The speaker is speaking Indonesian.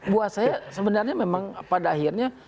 buat saya sebenarnya memang pada akhirnya